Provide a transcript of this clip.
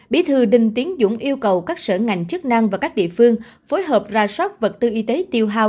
bí thư đinh tiến dũng yêu cầu các sở ngành chức năng và các địa phương phối hợp ra soát vật tư y tế tiêu hào